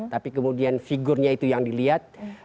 tapi kemudian figurnya itu yang dilihat